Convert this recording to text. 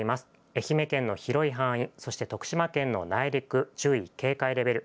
愛媛県の広い範囲、そして徳島県の内陸、注意、警戒レベル。